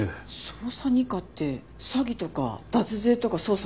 捜査二課って詐欺とか脱税とか捜査する部署。